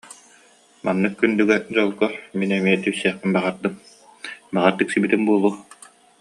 Маннык күндүгэ, дьолго мин эмиэ тиксиэхпин баҕардым, баҕар, тиксибитим буолуо